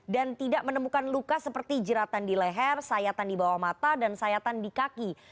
dan tidak menemukan luka seperti jeratan di leher sayatan di bawah mata dan sayatan di kaki